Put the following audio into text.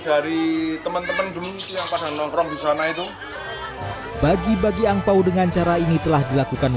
dari teman teman dulu yang pada nongkrong di sana itu bagi bagi angpau dengan cara ini telah dilakukan